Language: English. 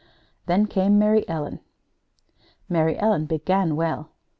Then came Mary Ellen. Mary Ellen began well.